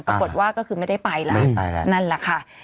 ปรากฏว่าก็คือไม่ได้ไปแล้วนั่นแหละค่ะ